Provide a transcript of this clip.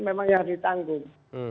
memang yang ditanggung